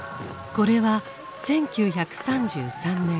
これは１９３３年